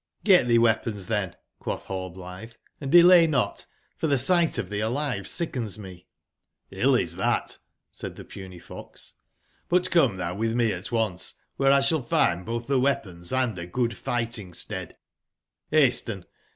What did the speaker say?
^ ''Get tbee weapons, tben," quotb Rallblitbe, "and delay not; for tbe sigbt of tbee alive sickens r\\c''j^ "111 is tbat,'' said tbe puny fox, "but come tbou witb me at once, wbere 1 sball find botb tbe weapons and a good figbting/stead, Hasten!